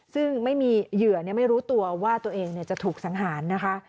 ซึ่งไม่มีเหยื่อไม่รู้ตัวว่าตัวเองจะถูกสังหารนะคะ